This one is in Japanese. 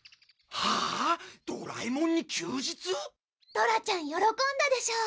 ドラちゃん喜んだでしょう。